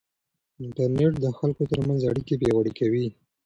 انټرنيټ د خلکو ترمنځ اړیکې پیاوړې کوي.